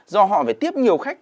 do họ phải tiếp nhiều khách